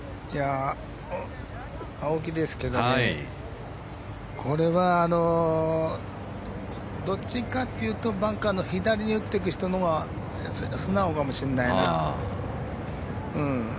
青木ですけどねこれはどっちかっていうとバンカーの左に打っていく人のほうが素直かもしれないな。